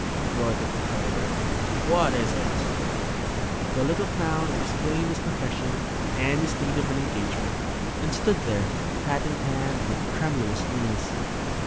roared the proprietor. "What is it?" The little clown explained his profession and his need of an engagement; and stood there, hat in hand, with tremulous knees.